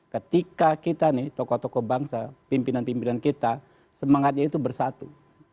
ketika kita nih tokoh tokoh bangsa pimpinan pimpinan kita semangatnya itu bersatu